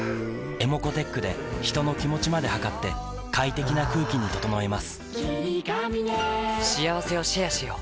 ｅｍｏｃｏーｔｅｃｈで人の気持ちまで測って快適な空気に整えます